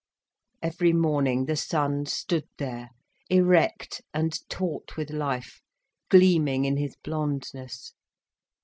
Every morning, the son stood there, erect and taut with life, gleaming in his blondness.